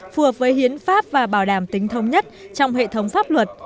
phù hợp với hiến pháp và bảo đảm tính thông nhất trong hệ thống pháp luật